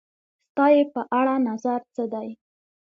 ستا یی په اړه نظر څه دی؟